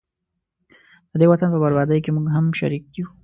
ددې وطن په بربادۍ کي موږه هم شریک وو